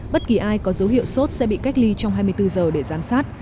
bất kỳ ai có dấu hiệu sốt sẽ bị cách ly trong hai mươi bốn giờ để giám sát